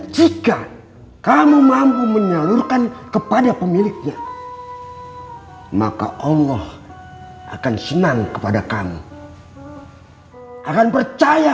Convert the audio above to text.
jika kamu mampu menyalurkan kepada pemiliknya maka allah akan senang kepada kami akan percaya